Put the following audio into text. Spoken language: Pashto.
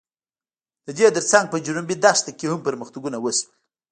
د دې تر څنګ په جنوبي دښته کې هم پرمختګونه وشول.